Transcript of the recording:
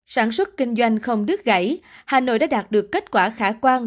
sản xuất kinh doanh không đứt gãy hà nội đã đạt được kết quả khả quan